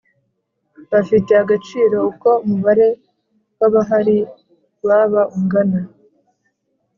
Bifite agaciro uko umubare w abahari waba ungana